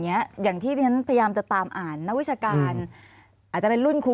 อย่างที่เรียนพยายามจะตามอ่านนักวิชาการอาจจะเป็นรุ่นครู